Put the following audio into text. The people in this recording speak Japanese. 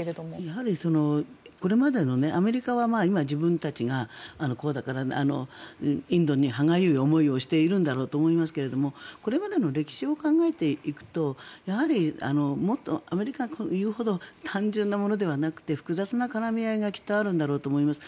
やはりこれまでのアメリカは今、自分たちがこうだからインドに歯がゆい思いをしているんだろうと思いますがこれまでの歴史を考えていくともっとアメリカが言うほど単純なものではなくて複雑な絡み合いがきっとあるんだろうと思います。